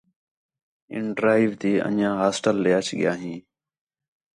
اِن ڈرائیو تی انڄیاں ہاسٹل ݙے اَچ ڳِیا ہیں